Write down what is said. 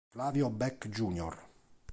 Flávio Beck Junior